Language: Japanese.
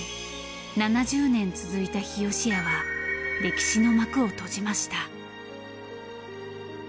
７０年続いた日よしやは歴史の幕を閉じました。